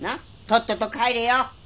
とっとと帰れよ。